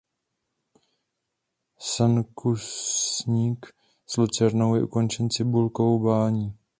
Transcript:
Sanktusník s lucernou je ukončen cibulovou bání.